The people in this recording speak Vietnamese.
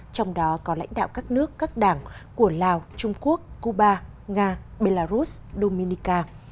trong đó có lãnh đạo các nước các đảng của lào trung quốc cuba nga belarus dominica